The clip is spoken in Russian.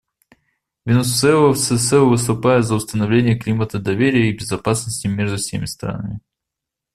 Венесуэла всецело выступает за установление климата доверия и безопасности между всеми странами.